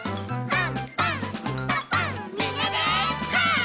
パン！